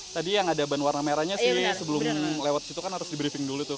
tadi yang ada ban warna merahnya sih sebelum lewat situ kan harus di briefing dulu tuh